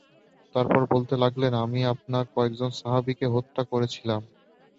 তারপর বলতে লাগলেন, আমি আপনার কয়েকজন সাহাবীকে হত্যা করেছিলাম।